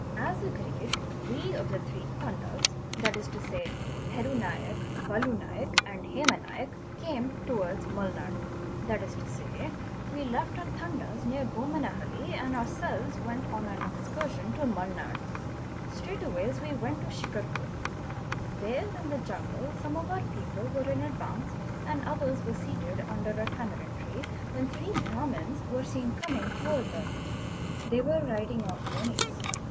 As agreed we of the three Tandas that is to say of Peru Naik, Valu Naik and Hema Naik, came to wards Mulnad. 'That is to say, we left our T'andas near Bommenhalli and ourselves went on an excursion to Mulnad. Straightways we went to Shicarpur. There in the jungle some of our people were in advance f and others were seated under a tamarind tree, when three Brahmans _ were seen coming towards us. They were riding on ponies.